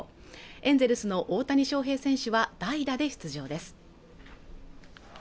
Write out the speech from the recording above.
エンゼルスの大谷翔平選手は代打で出場です